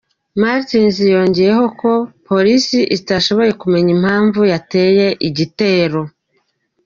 martins yongeyeho ko polisi itashoboye kumenya impamvu yateye igitero.